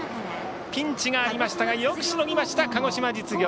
ピンチがありましたがよくしのぎました鹿児島実業。